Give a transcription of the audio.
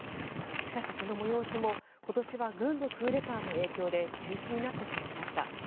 しかし、その催しも今年は軍のクーデターの影響で中止になってしまいました。